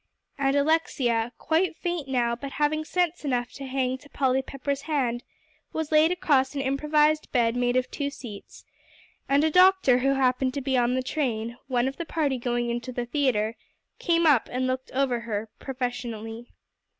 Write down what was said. And Alexia, quite faint now, but having sense enough to hang to Polly Pepper's hand, was laid across an improvised bed made of two seats, and a doctor who happened to be on the train, one of the party going in to the theatre, came up, and looked her over professionally.